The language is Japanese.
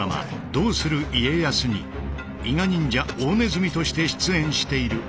「どうする家康」に伊賀忍者大鼠として出演している松本まりか。